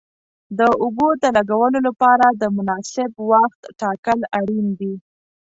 د اوبو د لګولو لپاره د مناسب وخت ټاکل اړین دي.